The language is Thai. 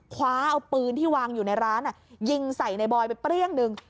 คว้าเอาปืนที่วางอยู่ในร้านยิงใส่ในบอยไปเปรี้ยงหนึ่ง